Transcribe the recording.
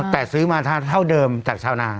แต่ซื้อมาเท่าเดิมจากชาวนา